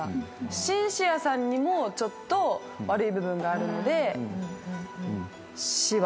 シンシアさんにもちょっと悪い部分があるので市は悪くない。